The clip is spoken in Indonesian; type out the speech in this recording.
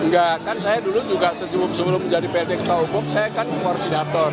enggak kan saya dulu juga sebelum menjadi plt ketua umum saya kan warsidator